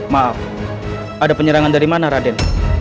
maaf ada penyerangan dari mana raden